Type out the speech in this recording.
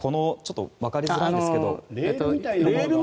わかりづらいんですが。